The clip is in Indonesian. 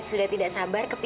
gue tidur dulu ya